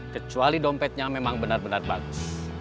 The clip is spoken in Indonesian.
kecuali dompetnya memang benar benar bagus